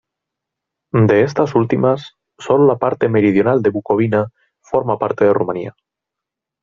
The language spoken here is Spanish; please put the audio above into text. De estas últimas, sólo la parte meridional de Bucovina forma parte de Rumanía.